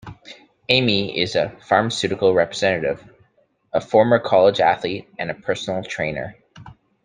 Amy is a pharmaceutical representative, a former college athlete, and a personal trainer.